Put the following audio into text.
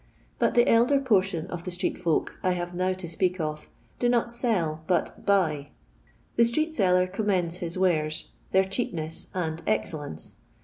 But the elder portion of the street folk I have now to speak of do not sell, but buy. The street seller commends his wares, their cheapness, and excellence.